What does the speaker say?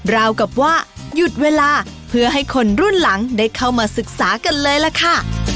ราวกับว่าหยุดเวลาเพื่อให้คนรุ่นหลังได้เข้ามาศึกษากันเลยล่ะค่ะ